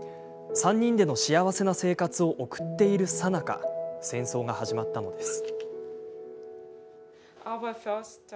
３人での幸せな生活を送っているさなか戦争が始まったのです。